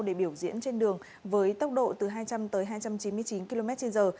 để biểu diễn trên đường với tốc độ từ hai trăm linh tới hai trăm chín mươi chín km trên giờ